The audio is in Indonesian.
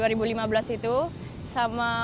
apa yang paling memuaskan untuk membuatmu merasa terkenal